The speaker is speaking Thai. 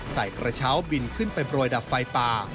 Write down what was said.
ใส่กระเช้าบินขึ้นไปปล่อยดับไฟป่า